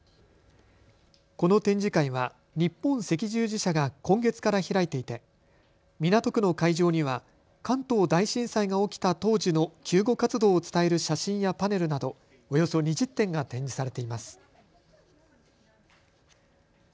この展示会は日本赤十字社が今月から開いていて港区の会場には関東大震災が起きた当時の救護活動を伝える写真やパネルなどおよそ２０点が展示されています。